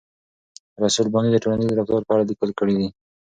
رسول رباني د ټولنیز رفتار په اړه لیکل کړي دي.